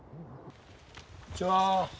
こんにちは。